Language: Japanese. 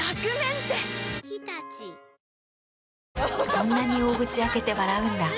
そんなに大口開けて笑うんだ。